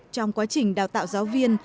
trong quá trình đào tạo giáo viên